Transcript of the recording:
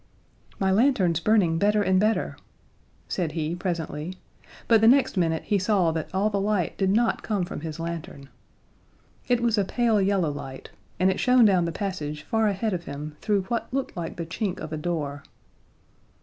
"My lantern's burning better and better," said he presently, but the next minute he saw that all the light did not come from his lantern. It was a pale yellow light, and it shone down the passage far ahead of him through what looked like the chink of a door.